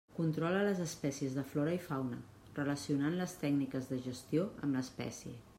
Controla les espècies de flora i fauna, relacionant les tècniques de gestió amb l'espècie.